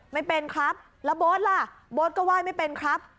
ไม่เป็นครับแล้วโบ๊ทล่ะโบ๊ทก็ไหว้ไม่เป็นครับ